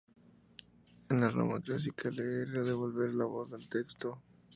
En la Roma clásica leer era "devolver la voz al texto".